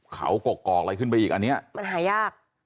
เขากกอกอะไรขึ้นไปอีกอันเนี้ยมันหายาก